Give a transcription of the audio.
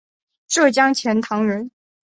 浙江钱塘人。